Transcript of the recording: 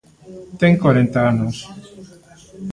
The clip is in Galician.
Ten corenta anos.